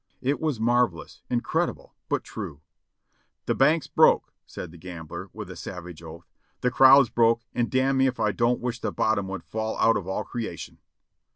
It was marvelous — incredible, but true. "The bank's broke !" said the gambler, with a savage oath. "The crowd's broke, and damn me if I don't wish the bottom would fall out of all creation